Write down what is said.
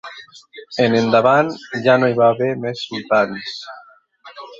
En endavant ja no hi va haver més sultans.